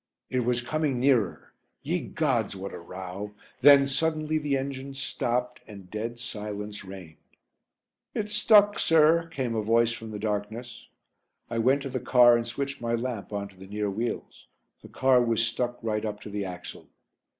It was coming nearer. Ye gods! what a row. Then, suddenly, the engines stopped and dead silence reigned. "It's stuck, sir," came a voice from the darkness. I went to the car and switched my lamp on to the near wheels. The car was stuck right up to the axle.